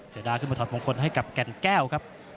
เสียดาขึ้นมาถอดมงคลให้กับแก่นแก้วครับ